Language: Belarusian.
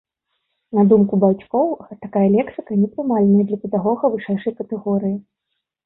На думку бацькоў, такая лексіка непрымальная для педагога вышэйшай катэгорыі.